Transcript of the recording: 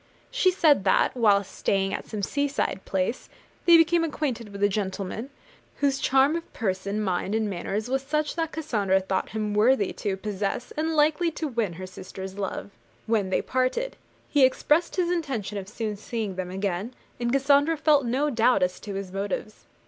She said that, while staying at some seaside place, they became acquainted with a gentleman, whose charm of person, mind, and manners was such that Cassandra thought him worthy to possess and likely to win her sister's love. When they parted, he expressed his intention of soon seeing them again; and Cassandra felt no doubt as to his motives.